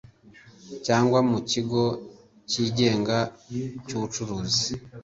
Cyangwa mu kigo cyigenga cy ubucuruzi